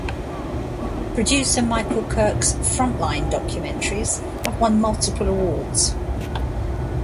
Producer Michael Kirk's "Frontline" documentaries have won multiple awards.